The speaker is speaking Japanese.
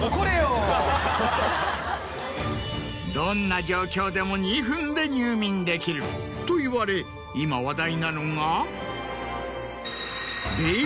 どんな状況でも２分で入眠できるといわれ今話題なのが。